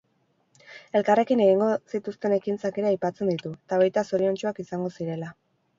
Elkarrekin egingo zituzten ekintzak ere aipatzen ditu, eta baita zoriontsuak izango zirela.